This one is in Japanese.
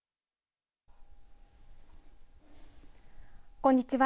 こんにちは。